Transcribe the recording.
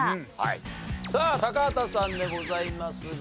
さあ高畑さんでございますが。